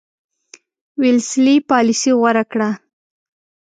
ویلسلي پالیسي غوره کړه.